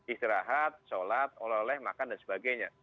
istirahat sholat oleh oleh makan dan sebagainya